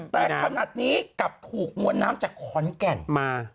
แต่ขณะนี้กับผูกมวดน้ำจากขอนแก่ง